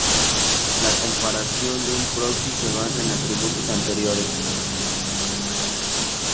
La comparación de un proxy se basa en atributos anteriores.